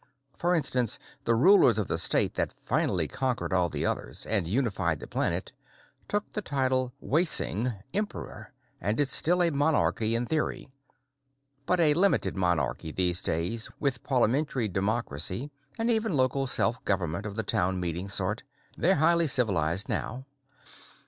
For instance, the rulers of the state that finally conquered all the others and unified the planet took the title Waelsing, Emperor, and it's still a monarchy in theory. But a limited monarchy these days, with parliamentary democracy and even local self government of the town meeting sort. They're highly civilized now."